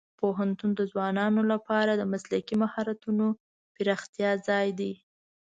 پوهنتون د ځوانانو لپاره د مسلکي مهارتونو پراختیا ځای دی.